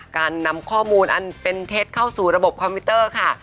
การนำข้อมูลอันเป็นเท็จเข้าสู่ระบบคอมพิวเตอร์ค่ะ